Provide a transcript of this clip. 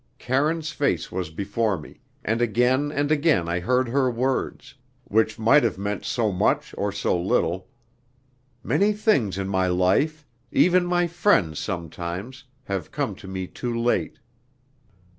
Karine's face was before me, and again and again I heard her words, which might have meant so much or so little, "Many things in my life even my friends sometimes have come to me too late."